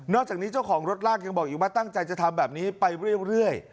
อกจากนี้เจ้าของรถลากยังบอกอีกว่าตั้งใจจะทำแบบนี้ไปเรื่อย